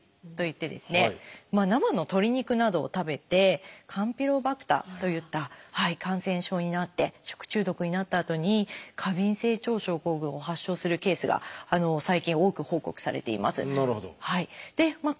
生の鶏肉などを食べてカンピロバクターといった感染症になって食中毒になったあとに過敏性腸症候群を発症するケースが最近多く報告されています。